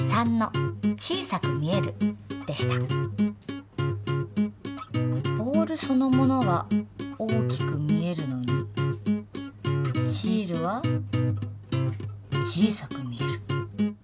答えはボールそのものは大きく見えるのにシールは小さく見える。